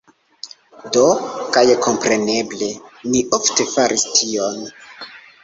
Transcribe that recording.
Do, kaj kompreneble, ni ofte faris tion.